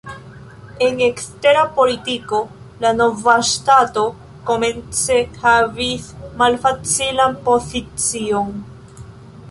En ekstera politiko la nova ŝtato komence havis malfacilan pozicion.